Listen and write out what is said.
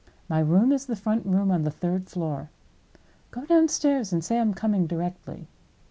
My room is the front room on the third floor. Go downstairs and say I am coming directly."